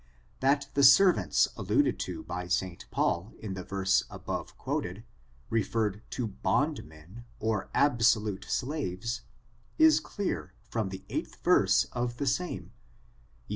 That the servants alluded to by St. Paul, in the verse above quoted, referred to bondmen or absolute slaves, is clear, from the eighth verse of the eamoi Eph.